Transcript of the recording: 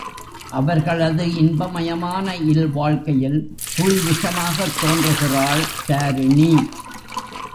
அவர்களது இன்பமயமான இல்வாழ்க்கையில் துளி விஷமாகத் தோன்றுகிறாள் தாரிணி.